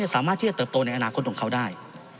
สามารถที่จะเติบโตในอนาคตของเขาได้